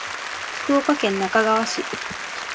福岡県那珂川市